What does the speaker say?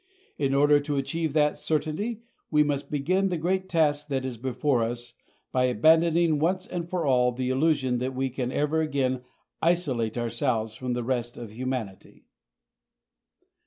In order to achieve that certainty, we must begin the great task that is before us by abandoning once and for all the illusion that we can ever again isolate ourselves from the rest of humanity.